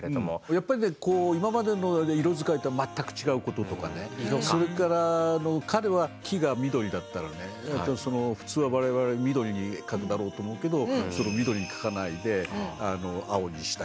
やっぱりねこう今までの色使いとは全く違うこととかねそれからあの彼は木が緑だったらねその普通は我々緑に描くだろうと思うけど緑に描かないで青にしたり茶色にしたり。